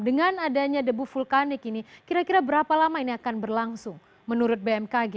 dengan adanya debu vulkanik ini kira kira berapa lama ini akan berlangsung menurut bmkg